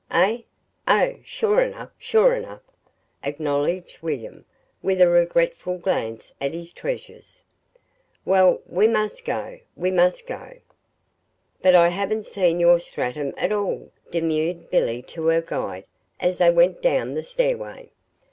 "Eh? Oh, sure enough sure enough," acknowledged William, with a regretful glance at his treasures. "Well, we must go, we must go." "But I haven't seen your stratum at all," demurred Billy to her guide, as they went down the stairway.